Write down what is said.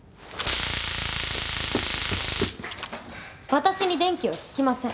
私に電気は効きません。